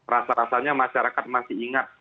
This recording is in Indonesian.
rasa rasanya masyarakat masih ingat